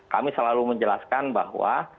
kami selalu menjelaskan bahwa